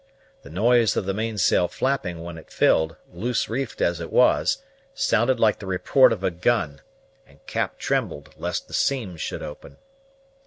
The noise of the mainsail flapping when it filled, loose reefed as it was, sounded like the report of a gun, and Cap trembled lest the seams should open.